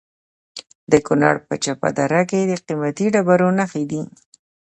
د کونړ په چپه دره کې د قیمتي ډبرو نښې دي.